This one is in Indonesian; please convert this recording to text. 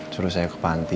suruh saya ke panti